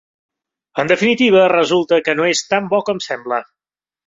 En definitiva, resulta que no és tan bo com sembla.